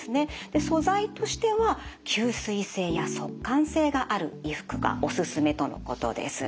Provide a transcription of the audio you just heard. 素材としては吸水性や速乾性がある衣服がおすすめとのことです。